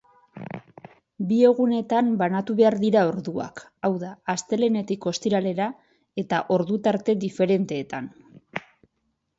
Bi egunetan banatu behar dira orduak, hau da, astelehenetik ostiralera eta ordu tarte diferenteetan.